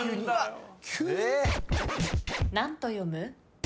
何と読む？